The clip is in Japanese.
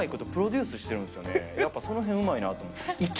やっぱそのへんうまいなと思って。